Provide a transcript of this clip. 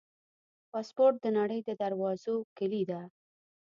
پاسپورټ د نړۍ د دروازو کلي ده.